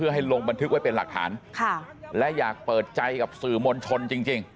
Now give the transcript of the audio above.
ให้ลงบันทึกไว้เป็นหลักฐานค่ะและอยากเปิดใจกับสื่อมวลชนจริง